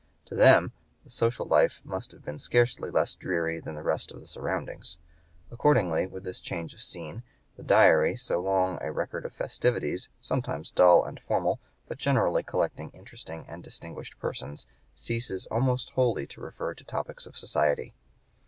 To them the social life must have been scarcely less dreary than the rest of the surroundings. Accordingly, with this change of scene, the Diary, so long a record of festivities sometimes dull and formal, but generally collecting interesting and distinguished persons, ceases almost wholly to refer to topics of society.